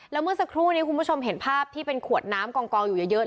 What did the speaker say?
แล้วเมื่อสักครู่นี้คุณผู้ชมเห็นภาพที่เป็นขวดน้ำกองอยู่เยอะ